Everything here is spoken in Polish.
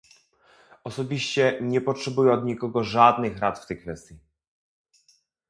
Osobiście nie potrzebuję od nikogo żadnych rad w tej kwestii